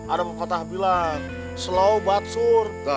ada pekotah bilang slow but sure